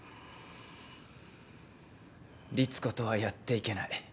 リツコとはやっていけない。